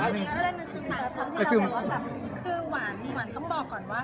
เราก็ค่อนข้างรู้ความความสำคัญของเค้า